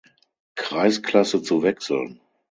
Kreisklasse zu wechseln.